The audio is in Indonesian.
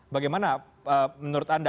bagaimana menurut anda